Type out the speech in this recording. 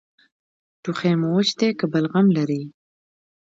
ټوخی مو وچ دی که بلغم لري؟